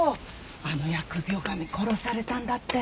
あの疫病神殺されたんだって？